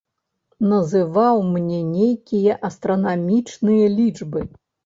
Называў мне нейкія астранамічныя лічбы.